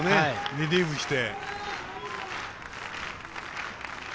リリーフして。